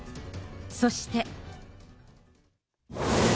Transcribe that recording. そして。